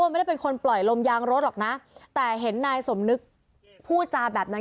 ไม่ได้เป็นคนปล่อยลมยางรถหรอกนะแต่เห็นนายสมนึกพูดจาแบบนั้น